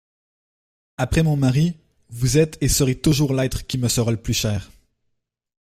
Après mon mari, vous êtes et serez toujours l'être qui me sera le plus cher.